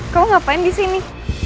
kamu ngapain di sini